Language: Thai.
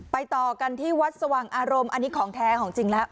ต่อกันที่วัดสว่างอารมณ์อันนี้ของแท้ของจริงแล้ว